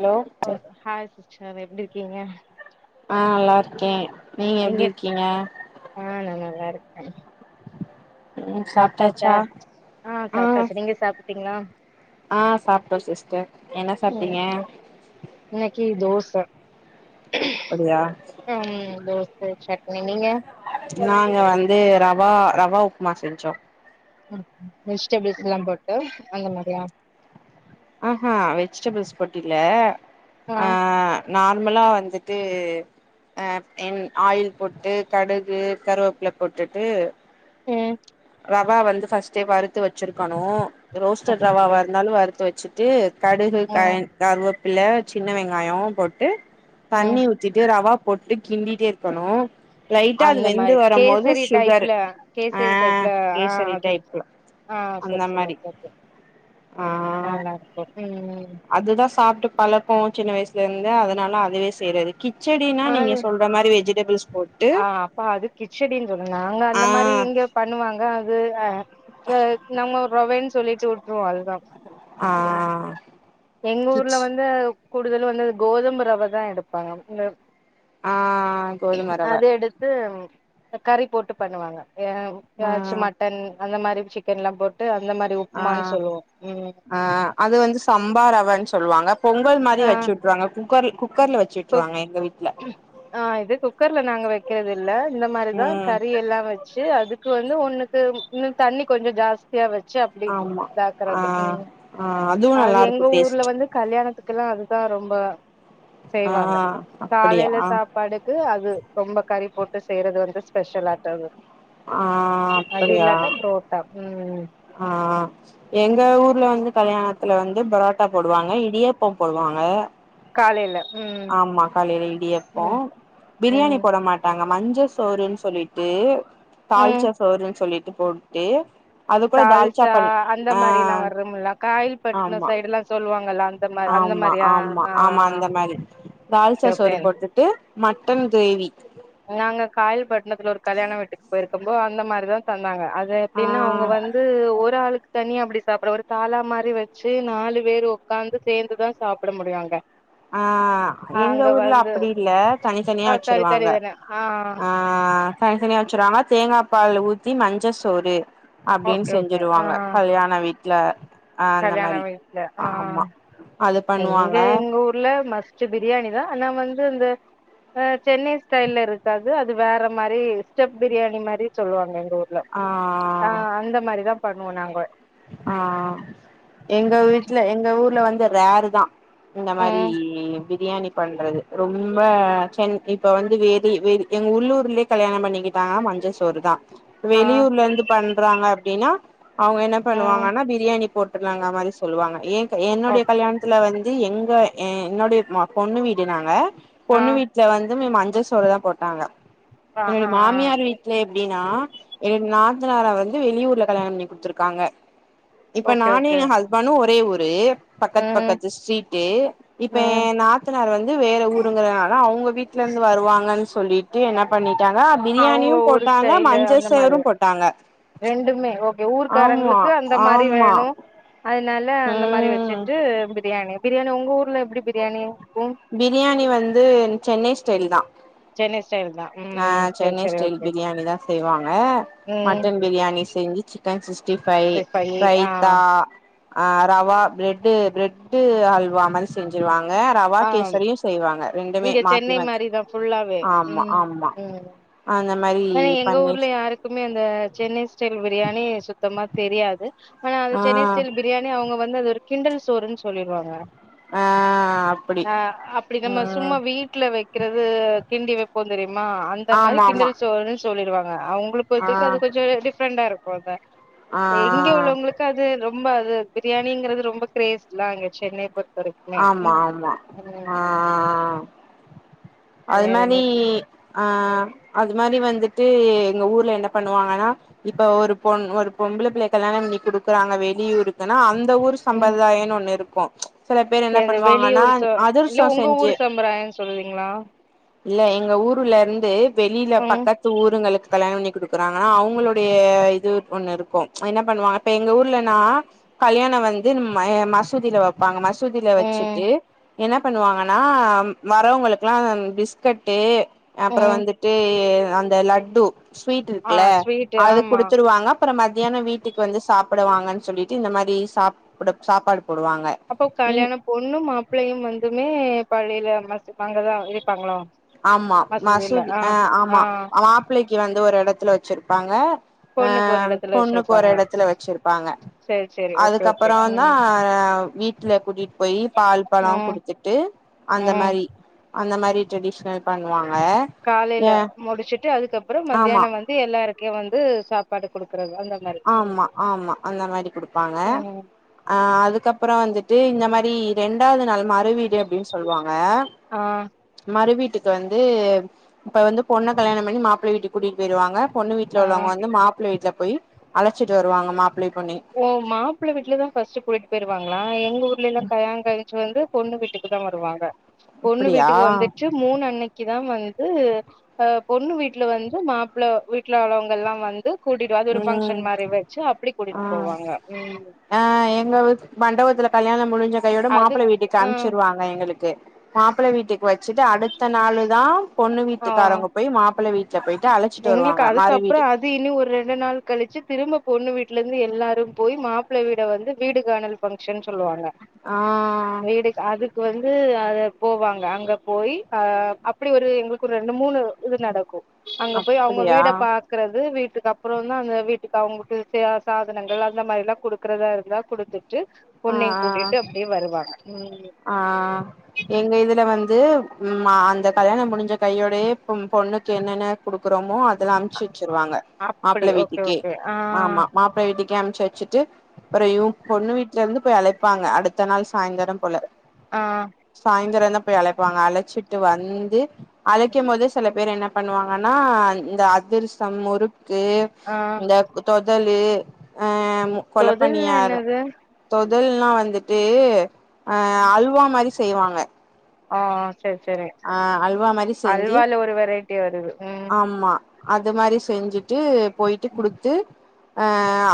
Hello ஓ hi sister எப்படி இருக்கீங்க ஆ நல்லாருக்கே நீங்க எப்டி இருக்கீங்க ஆ நல்லா தா இருக்கே சாப்ட்டாச்சா ஆ சாப்ட்டாச்சு நீங்க சாப்ட்டுட்டீங்களா ஆ சாப்ட்டோ சிஸ்டர் என்ன சாப்ட்டீங்க இன்னைக்கி தோச அப்படியா ம் தோச சட்னி நீங்க இப்ப நாங்க வந்து ரவா ரவா உப்மா செஞ்சோ வெஜிடெபிள்ஸ்ல்லா போட்டு அந்த மாரியா ஆ ஆ வெஜிடெபுள்ஸ் போட்டில்ல ஆ நார்மலா வந்துட்டு ஆ என் ஆயில் போட்டு கடுகு கருவப்புல போட்டுட்டு ம் ரவா வந்து ஃபஸ்டே வறுத்து வெச்சிருக்கணு ரோஸ்டட் ஓகே ரவாவா ஓகே. இருந்தாலு வறுத்து வெச்சு ட்டு கடுகு தா ம் கருவப்பில்ல சின்ன வெங்காயோ போட்டு தண்ணி ம் ஊ த்திட்டு ரவா போட்டு கிண்டிட்டே இருக்கணு லைட்டா அது அந்த வெந்து மாரி வரும் போது கேசரி சுகர் டைப்ல ஆ கேசரி டைப்ல ஆ கேசரி அதில் டைப்ல ஆ அந்த சேரி சேரி மாரி ஓகே ஓகே ஆ நல்லாருக்கோ ம் ம் அதுதா சாப்ட்டு பழக்கோ சின்ன வய்சுலருந்து அதுனால அதவே செய்றது கிச்செடினா ஆ நீங்க சொ ல்ற மாரி வெஜிடெபில்ஸ் போட் ஆ அப்ப அது கிச்சடின்னு சொல்லு நாங்க ஆ அந்த மாரி இங்க பண்ணுவாங்க அது அ அ நம்ம ரவேன்னு சொல்லிட்டு விட்டுருவோ அதுதா ஆ எங்க ஊர்ல கிச் வந்து கூடுதலு வந்து கோதம ரவ தா எடுப்பாங்க இந்த ஆ கோதுமை ரவ அது எடுத்து கறி போட்டு பண்ணுவாங்க எ ஆ ஏதாச்சு மட்டன் அந்த மாரி சி க்கன்ல்லாம் போட்டு அந்த மாரி உப்மான்னு ஆ சொல்லுவோ ம் ஆ அது வந்து சம்பா ரவன்னு சொல்லுவாங்க பொங்கல் மாரி ஆ வச்சு விட்டுருவாங்க குக்கர் குக்கர்ல வச்ச குக் திட்றாங்க எங்க வீட் ஆ இது குக்கர்ல நாங்க வெக்கெறது இல்ல இந்த மாரிதா ம் கறி எல்லா வெ ச்சு அதுக்கு வந்து ஒன்னுக்கு இன்னு தண்ணி கொஞ்சோ ஜாஸ் தியா வெச்சு அப்டி ஆமா ஆ தாக்கறது ம் ஆ அதுவு அது நல்லா இருக்கு எங்க ஊர்ல டேஸ்ட் வந்து கல்யாணத்துக்கு எல்லா அதுதா ரொம்ப ஆ செய்வாங்க அப்படியா காலேல சாப் பாடுக்கு அது ரொம்ப கறி போட்டு செய்றது வந்து ஸ்பெஷல் ஆட்டது ஆ அது அப்படியா இல்லாட்டா ப்ரோட்டா ம் ஆ ஆ எங்க ஊர்ல வந்து கல்யாணத்துல வந்து பரோட்டா போடுவாங்க இடியாப்பம் போடுவாங்க. காலைல ம் ஆமா காலைல இடியாப்போ ம் பிரியாணி ம் போட மாட் டாங்க மஞ்ச சோறுன்னு சொல்லிட்டு ம் தாள்ச்சா சோறுன்னு சொல்லிட்டு போட்டு அது கூட தால்ச்சா தாள்ச்சா பண் அந்த ஆ மாரி எல்லா வரமுல்ல காயில்பட்னோ ஆமா சைட் எல்லா சொல்லுவாங்கல்ல அந் ஆமா ஆமா ஆமா அந்த மாரி தாள்ச்சா ஓகே சோறு ஓகே போட்டுட்டு மட்டன் க்ரேவி நாங்க காயல்பட்ணத்துல ஒரு கல்யாண வீட்டுக்கு போய்ருக்கப்போ அந்த மாரிதா தந்தாங்க அது ஆ எப்பிடின்னா அவுங்க வந் து ஒரு ஆளுக்கு தனியா அப்பிடி சாப்பட ஒரு தால மாரி வெச்சு நாலு பேரு ஒக்காந்து சேந்துதா சாப்பட முடியு அங்க ஆ அங்க எங்க ஊர்ல வந்து அப்பிடி இல்ல தனி தனியா தனி தனி வெச்சிருவாங்க. தான ஆ ஆ ஆ தனி தனியா வெச்சிருவாங்க தேங்கா பால் ஊத்தி மஞ்ச சோறு அப்டின்னு ஓகே ஓகே ஆ செஞ்சுருவாங்க கல்யாண வீட்ல ஆ அந்த கல்யாண மாரி வீட்ல ஆ ஆமா அது பண்ணுவாங்க இல்ல மஸ்ட்டு பிரியாணி தா ஆனா வந்து இந்த ஆ சென்னை ஸ்டைல்ல இருக்காது அது வேற மாரி ஸ்டெப் பிரியாணி மாரி சொல்லுவாங்க எங்க ஊர்ல ஆ ஆ ஆ அந்த மாரிதா பண்ணுவோ நாங்கொ ஆ ஆ எங்க வீட்ல எங்க ஊர்ல வந்து ரேரு தா இந்த மாரி ம் வி பிரியாணி பண்றது ரொம்ப சென் இப்ப வந்து வேதி வேதி எங்க உள்ளூர்லை கல்யாணம் பண்ணிக்கிட்டாங்கானா மஞ்சசோறு தா ஆ வெளியூர்ல இருந்து பண்றாங்க அப்டின்னா அவுங்க ம் பண்ணுவாங்கன்னா பிரியாணி போட்டுலங்க மாரி சொல்லுவாங்க எ க ஓ என்னுடைய கல்யாணத்துல வந் து எங்க எ என்னுடைய மா பொண்ணு வீடு நாங்க ஆ பொண்ணு வீட்ல வந்து மஞ்ச சோறுதா போட்டாங்க ஆ ஆ என்னுடைய ஆ மாமியார் வீட் ல எப்படின்னா எ நாத்தனார வந்து வெளியூர்ல கல்யாணம் பண்ணி குடுத்துருக்காங்க இப்ப ஓகே நானு ஓகே எ ஹஸ்பண்டு ஒரே ஊரு பக்கத்து ம் பக்கத்து ஸ்ட்ரீட்டு இப்ப எ ம் நா நாத்தனார் வந்து வேற ஊருங்கறனால அவுங்க வீட்டுல இருந்து வருவாங்கன்னு சொல்லி ட்டு என்ன பண்ணிட்டாங்க அவுங்க பிரியாணியும் ஊரு போட்டாங்க ஸ்டைலு மஞ்ச அந்த மாரி சோறும் போட்டாங்க ரெண்டுமே ஓகே ஆமா ஊர்கக்காரங்களுக்கு அந்த மாரி ஆமா வேணு அதனால அந்த மாரி ம் வச்சுட்டு பிரியாணி பிரியாணி உங்க ஊர்ல எப்படி பிரியாணி இருக்கு பிரியாணி வந்து சென்னை ஸ்டைல் தா சென்னை ஸ்டைல் தா ஆ ம் சேரி சென்னை சேரி ஸ்டைல் ஓகே பிரியாணி தா செய்வாங்க ம் மட்டன் பிரியாணி செஞ்சு சி க்கன் சிக்ஸ்டி ஃபைவ் சேரி பையி ஆ ரைத்தா ஆ ரவா ப்ரெட்டு ப்ரெட்டு அல்வா மாரி செஞ்சுருவாங்க ரவா ஆ கேசரியு செய்வாங்க ரெண்டுமே இங்க மாத்தி சென்னை மாத்தி மாரிதா ஃபுல்லாவே ஆமா ஆமா அந்த மாரி ஏன்னா எங்க பண்ணி ஊர்ல யாருக்குமே அந்த சென்னை ஸ்டைல் பிரியாணி சுத்தமா தெரியாது ஆனா அந்த ஆ சென்னை ஸ்டைல் பிரியாணி அவுங்க வந்து அது ஒரு கிண்டல் சோறுன்னு சொல்லிருவாங்க ஆ அப்டி ஆ அப்பிடி நம்ம சும்மா ம் வீட்ல வெக் கிறது கிண்டி வெப்போ தெரியுமா அந்த மாரி ஆமா ஆமா கிண்டல் சோறுன்னு சொல்லிடுவாங்க அவங்களு பொறுத்த ஆ வரைக்கு அது கொஞ்சோ டிஃப்ரண்டா இருக்கு அத ஆ இங்க உள்ளவங்களுக்கு அது ரொம்ப அது பிரியாணிங்கிறது ரொம்ப கிரேஸ்ல்லா அங்க சென்னை பொறுத்தவரைக்கு ஆமா ஆமா ஆ அது வேற மாரி என்ன ஆ அது மாரி வந்துட்டு எங்க ஊர்ல என்ன பண்ணுவாங்கன்னா இப்ப ஒரு பொண் ஒரு பொம்பளை பிள்ளைய கல்யாணம் பண்ணி குடுக்குறாங்க வெளியூருக்குன்னா அந் த ஊர் ம் சம்பிரதாயம்ன்னு ஒண்ணு இருக்கு சில பேர் என்ன இந்த பண்ணுவாங்கன்னா வெளியூர் ச இல்ல அதிரசோ உங்க செஞ்சி ஊர் சம்பிராயன்னு சொல்லுவீங்களா இல்ல எங்க ஊர்ல இருந்து வெளில ம் பக்கத்து ஊருங்களுக்கு கல்யாணம் பண்ணி குடுக்குறாங்கன்னா அவங்களுடைய இது ஒண்ணு இருக்கு என்ன பண்ணுவாங்க இப்ப எங்க ஊர்லன்னா கல்யாணோ வந்து ம மசூதியில வைப்பாங்க மசூ தில ம் வச்சுட்டு என்ன பண்ணுவாங்கன்னா வரவங்களுக்குல்லா பிஸ்கட்டு அப்பறோ ம் வந்துட்டு அந்த லட்டு ஸ்வீட் ஆ இருக்குல்ல ஸ்வீட்டு அது ஆமா குடுத்துருவாங்க அப்பறோ மத்தியானோ வீட்டுக்கு வந்து சாப்டுவாங்கன்னு சொல்லிட்டு இந்த மாரி சாப்ட சாப்பாடு போடுவாங்க அப்போ இன் கல்யாண பொண்ணும் மாப்ளையும் வந்துமே பள்ளியில அந்த மசூ அங்கதா இருப்பாங்களா ஆமா மசூதி ஆ ஆமா மாப்ளைக்கு வந்து ஒரு எடத்துல வச்சிருப்பாங்க ஆ பொண்ணுக்கு ஒரு இடத்துல பொண்ணுக்கு ஒரு வச்சிருப்பாங்க எடத்துல வச்சிருப்பாங்க சேரி சேரி ஓகே ஓகே அதுக்கப்பறந்தா ம் வீட்ல கூட்டிட்டு போய் பால் பழம் ம் குடுத் த்துட்டு அந்த ம் மாரி அந்த மாரி டிரெடிஷனல் பண்ணுவாங்க காலேல ஏ முடிச்சுட்டு அதுக்கப்பறோ ஆமா மத்தியானோ வந்து எல்லாருக்கே வந்து சாப்பாடு குடுக்குறது அந்த மாரி ம் ஆமா ஆமா அந்த மாரி குடுப்பாங்க ம் ஆ அதுக்கப்பறோ வந்துட்டு இந்த மாரி ரெண்டாவது நாள் மறு வீடு அப்டின்னு சொல்லுவாங்க ஆ மறு வீட்டுக்கு வந்து இப்ப வந்து பொண்ண கல்யாணம் பண்ணி மாப்ள வீட்டுக்கு கூட்டிட்டு போயிடுவாங்க பொண்ணு வீட்ல ஆ உள்ளவங்க வந்து மாப்ள வீட்ல போய் அழச்சிட்டு வருவாங்க மாப்ளயு பொண்ணயு ஓ மாப்ள வீட்ல தா ஃபர்ஸ்ட் கூட்டிட்டு போயிருவாங்களா எங்க ஊர்லல்லா கல்யாணோ கழிச்சி வந்து பொண்ணு வீட்டுக்குதா வருவாங்க பொண்ணு அப்படியா வீட்டுக்கு வந்துட்டு மூணு அன்னக்கிதா வந்து ஆ பொண்ணு வீட்ல வந்து மாப்ள வீட்ல உள்ளவங்க எல்லா வந்து கூட்டிட்டு அது ஒரு ம் பங்க்ஷன் மாரி வச்சு அப்டி ஆ கூட்டிட்டு போவாங்க ஆ எங்க மண்டபத்துல கல்யாணம் முடிஞ்ச கையோட மாப்ள அதுக்கு வீட்டுக்கு ஆ அம்ச்சுருவாங்க எங்களுக்கு மாப்ள வீட்டுக்கு வச்சிட்டு அடுத்த நாளு தா பொண்ணு ஆ வீட்டுக்காரவங்க போய் மாப்ள வீட்ல போயிட்டு அழச்சிட்டு எங்களுக்கு வருவாங்க மறு அதுக்கப்புறோ வீடு அது இனி ஒரு ரெண்டு நாள் கழிச்சு திரும்ப பொண்ணு வீட்ல இருந்து எல்லாரு போய் மாப்ள வீட வந்து வீடு காணல் பங்க்ஷன் சொல்லுவாங்க ஆ வீடு அதுக்கு வந்து அத போவாங்க அங்க போய் ஆ அப்டி ஒரு எங்களுக்கு ஒரு ரெண்டு மூணு இது நடக்கு அங்க போய் அவங்க அப்படியா வீட பாக் றது வீட்டுக்கு அப்பறோந்தா அந்த வீட்டுக்கு அவங்களுக்கு இது சாதனங்கள் அந்த மாரில்லா குடுக்குறதா இருந்தா குடுத்துட்டு ஆ பொண்ணயு ஆ கூட்டிட்டு அப்டியே வருவாங்க ம் ஆ எங்க இதுல வந்து ம் ஆ அந்த கல்யாணம் முடிஞ்ச கையோடையே பொண்ணுக்கு என்னென்ன குடுக்குறோமோ அதெல்லா அம்ச்சி வச்சிருவாங்க அப்டி மாப்ள ஓகே வீட்டுக்கே ஓகே ஆ ஆமா மாப்ள வீட்டுக்கே அம்ச்சி வச்சிட்டு அப்புறயூ பொண்ணு வீட்ல இருந்து போய் அழைப்பாங்க அடுத்த நாள் சாய்ந்தரம் போல ஆ சாய்ந்தரந்தா போய் அழைப்பாங்க அழைச்சிட்டு வந்து அழைக்கும் போதே செல பேர் என்ன பண்ணுவாங்கன்னா இந்த அதிர்சம் முறுக்கு ஆ இந்த தொதலு ஆ கொலப் தொதில்னா பனியார என்னது தொதல்னா வந்துட்டு ஆ அல்வா மாரி செய்வாங்க ஆ செரி செரி ஆ அல்வா மாரி செஞ்சு அல்வால ஒரு வெரைட்டி வருது ம் ஆமா அது மாரி செஞ்சுட்டு போயிட்டு குடுத்து ஆ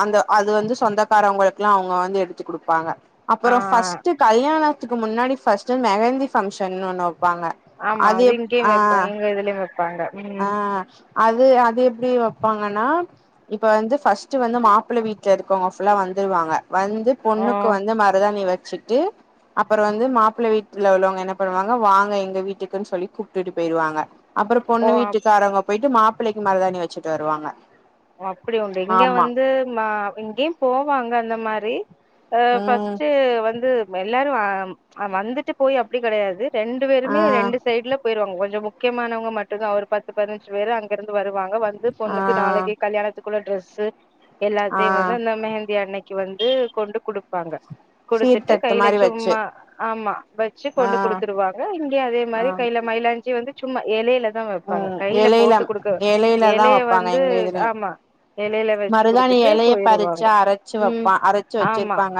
அந்த அது வந்து சொந்தக்காரங்களுக்கெல்லா அவுங்க வந்து எடுத்து குடுப்பாங்க ஆ அப்புற ஃபஸ்ட்டு கல்யாணத்துக்கு முன்னாடி ஃபஸ்ட்டு மெகந்தி ஃபங்க்ஷன்னு ஒன்னு வப்பாங்க ஆமா அது இங்கியு வப் எங்க இதுலயு வப்பாங்க ஆ அது அது எப்டி வப்பாங்கன்னா இப்ப வந்து ஃபஸ்ட்டு வந்து மாப்பிள்ள வீட்ல இருக்கவங்க ஃபுல்லா வந்துருவாங்க வந்து ஓ பொண்ணுக்கு வந்து மருதாணி வச்சுட்டு அப்புற வந்து மாப்பிள்ள வீட்ல உள்ளவங்க என்ன பண்ணுவாங்க வாங்க எங்க வீட்டுக்குன்னு சொல்லி கூப்ட்டுட்டு போயிருவாங்க அப்புற ஓ பொண்ணு அப் வீட்டுக்காரவங்க போயிட்டு மாப்பிள்ளைக்கு மருதாணி வச்சுட்டு வருவாங்க ஓ அப்டி உண்டு இங்க ஆமா வந்து மா இங்கியு போவாங்க அந்த மாரி ஆ ம் ஃபஸ்ட்டு வந்து எல்லாரு ஆ ஆ வந்துட்டு போய் அப்டி கெடையாது ரெண்டு ஆ பேருமே ரெண்டு சைட்ல போயிருவாங்க கொஞ்ச முக்கியமானவங்க மட்டுந்தா ஒரு பத்து பதினஞ்சு பேர் அங்கிருந்து வருவாங்க வந்து ஆ பொண்ணுக்கு நாளைக்கு த்துக்குள்ள ட்ரெஸ்ஸு ஆ எல்லாத்தையு வந்து அந்த மெஹந்தி அன்னைக்கு வந்து கொண்டு குடுப்பாங்க குடுத்துட்டு சீர்த்தட்டு கையில மாரி வச்சு சும்மா ஆமா வச்சு ஆ கொண்டு குடுத்துருவாங்க இங்கே அதே ஆ மாரி கையில மயிலாஞ்சி வந்து சும்மா எலையில தா வப்பாங்க ம் கையில எலையில போட்டு குடுக்க எலைய வந்து ஆமா எலையில வச்சு மருதானி குடுத்துட்டு எலைய போயிருவாங்க பறிச்சு அரைச்சு ம் வப்பா அரைச்சு ஆமா வச்சிருப்பாங்க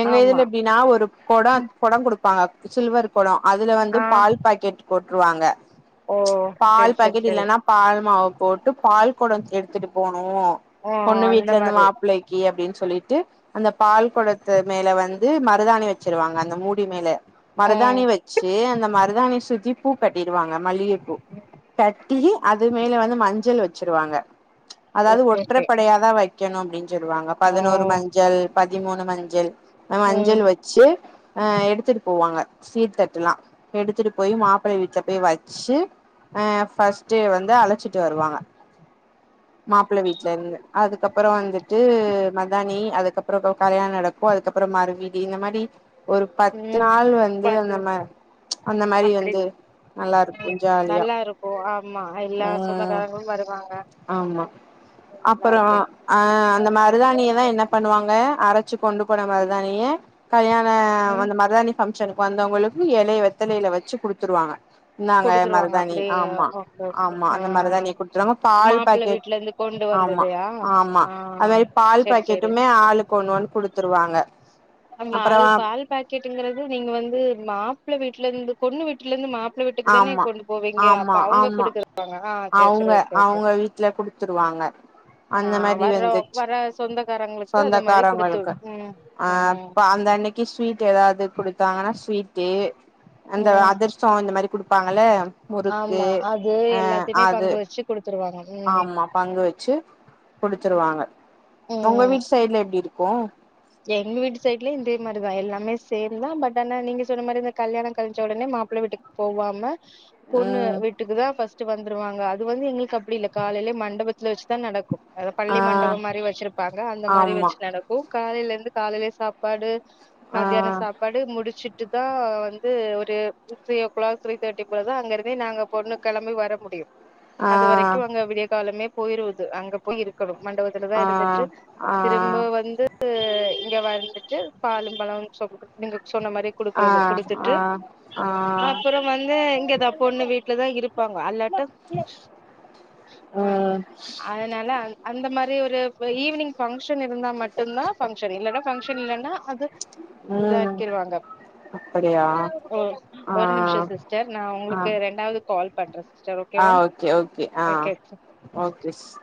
எங்க ஆமா இதுல எப்டின்னா ஒரு கொட ம் கொட குடுப் ப்பாங்க சில்வர் கொட அதுல வந்து ஆ பால் பாக்கெட் போட்ருவாங்க ஓ செரி பால் செரி பாக்கெட் செரி இல்லன்னா பால் மாவ போட்டு பால் கொட எடுத்துட்டு போனு ஓ பொண்ணு அந்த வீட்ல இருந்து மாரி மாப்பிள்ளை க்கி அப்டின்னு சொல்லிட்டு அந்த பால் கொடத்து மேல வந்து மருதாணி வச்சிருவாங்க அந்த மூடி மேல மருதாணி ம் வச்சு அந்த மருதாணி சுத்தி பூ கட்டிருவாங்க மல்லிகப்பூ உ கட்டி அது மேல வந்து மஞ்சள் வச்சிருவாங்க அதாவது ஓகே ஓகே ஒற்றைப்படையாதா வக் கணு அப்டின்னு சொல்லுவாங்க ஓ பதினோரு மஞ்சள் பதிமூணு மஞ்சள் ம் மஞ்சள் வச் சு ஆ எடுத்துட்டு போவாங்க சீர் தட்டுல்லா எடுத்துட்டு போய் மாப்பிள்ள வீட்ல போய் வச்சு ஆ ஃபஸ்ட்டே வந்து அழச்சிட்டு வருவாங்க மாப்பிள்ள வீட்ல இருந்து அதுக்கப்புற வந்துட்டு மருதானி அதுக்கப்புற கல்யாண நடக் கு அதுக்கப்புற மறுவீடு இந்த மாரி ஒரு பத்து ம் நாள் வந்து பாத்து அந்த மா அந்த மாரி வந்து நல்லாருக்கும் நல்லாருக்கும் ஆமா எல்லா ம் சொந்தக்காரங்களு வருவாங்க ஆமா [unintelligible] அப்புற ஆ அந்த மருதாணிய தா என்ன பண்ணுவாங்க அரைச்சு கொண்டு போன மருதாணிய கல்யாண ம் அந்த மருதாணி பபங்க்ஷனுக்கு வந்தவங்களுக்கு இலை வெத்தலையில வச்சு குடுத்துருவாங்க நாங்க குடுத்துருவாங்க மருதாணி அப்டியே ஆமா ஓகே ஓகே ஆமா ஆ அந்த மருதாணிய குடுத்துறாங்க பால் மாப்பிள்ள பாக்கெட் வீட்ல இருந்து கொண்டு ஆமா வந்ததையா ஆமா ஆ அது மாதிரி பால் செரி செரி பாக்கெட்டுமே ஆளுக்கு ஒண்ணு ஒன்னு குடுத்துருவாங்க ஆமா அப்புறோ அது பால் பாக்கெட்டுங்கறது நீங்க வந்து மாப்பிள்ள வீட்ல இருந்து பொண்ணு வீட்ல இருந்து மா ப்பிள்ள வீட்டுக்கு தானே ஆமா கொண்டு போவீங்க அப்ப ஆமா அவுங்க ஆமா குடுத்துருப்பாங்க அவுங்க அவுங்க வீட்ல குடுத்துருவாங்க ஆ அந்த மாரி வர்ற வந்துச்சு வர சொந்தக்காரங்களுக்கு அந்த மாரி குடுத்து ம் அ ம் அந்த அன்னைக்கு ஸ்வீட் ஏதாவது குடுத்தாங்கன்னா ஸ்வீட்டு அந்த ம் அதர் சோ இந்த மாரி குடுப்பாங்ல ஆமா அது எல்லாத்தையுமே அது பங்கு வச்சு குடுத்துருவாங்க ம் ஆமா பங்கு வச்சு குடுத்துருவாங்க உங்க ம் வீட் சைடுல எப்டி இருக்கு எங்க வீட்டு சைட்ல இதே மாதிரிதா எல்லாமே சேம் தா பட் ஆனா நீங்ங சொன்ன மாரி இந்த கல்யாண கழிச்ச உடனே மாப்பிள்ள வீட்டுக்கு போவாம பொண்ணு ம் வீட்டுக்கு தா ஃபஸ்ட்டு வந்துருவாங்க அது வந்து எங்களுக்கு அ அப்டி இல்ல காலையில மண்டபத்துல வச்சு தா நடக்கு அதா ஆ பள்ளி மண்டபம் மாரி வச்சிருப்பாங்க அந்த மாரி ஆமா வச்சு நடக்கு காலையில இருந்து காலையில சாப்பாடு ஆ மத்தியானம் சாப் பாடு முடிச்சுட்டு தா வந்து ஒரு three o'clock three thirty போல தா அங்கிருந்தே நாங்க பொண்ண கெளம்பி வர முடியு ஆ அது வரைக்கு அங்க விடிய காலமே போயிருது அங்க போய் இருக்கணு மண்டப அதல தா ஆ இருந்துற்று ஆ திரும்ப வந்து த்து இங்க வந்துட்டு பாலும் பழம் நீங்க சொன்ன மாரி ஆ குடுக்கறது குடுத்துட்டு ஆ ஆ அப்புறம் வந்து இங்கதா பொண்ணு வீட்லதா இருப்பாங்க அல்லாட்டு அ ம் அதனால அந்த மாரி ஒரு ஈவினிங் பங்க்ஷன் இருந்தா மட்டு இருந்தா பங்க்ஷன் இல்லனா பங்க்ஷன் இல்லன்னா அது ம் இதாக்கிருவாங்க அப்படியா ஓ ஆ ஒரு நிமிஷம் சிஸ்டர் நா ஆ உங்களுக்கு ரெண்டாவது கால் பண்ற sister okay okay sister okay sis